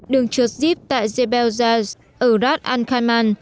đường trượt zip tại zebelzaz ở ras al khaimah